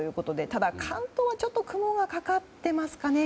ただ、関東はちょっと雲がかかっていますかね。